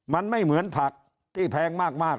มันไม่เหมือนผักที่แพงมาก